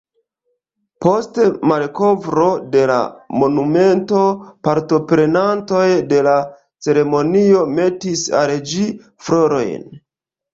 Post malkovro de la monumento partoprenantoj de la ceremonio metis al ĝi florojn.